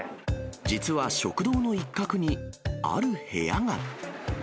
実は食堂の一角にある部屋が。